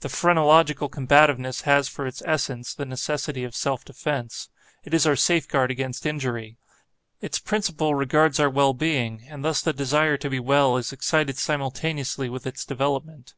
The phrenological combativeness has for its essence, the necessity of self defence. It is our safeguard against injury. Its principle regards our well being; and thus the desire to be well is excited simultaneously with its development.